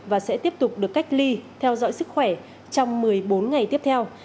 và sẽ tiếp tục được cách ly theo dõi sức khỏe trong một mươi bốn ngày tiếp theo